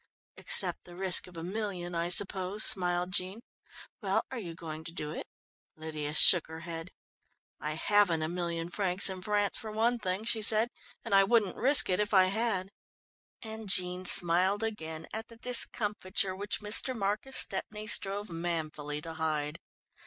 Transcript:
"Except the risk of a million, I suppose," smiled Jean. "Well, are you going to do it?" Lydia shook her head. "I haven't a million francs in France, for one thing," she said, "and I wouldn't risk it if I had." And Jean smiled again at the discomfiture which Mr. Marcus Stepney strove manfully to hide.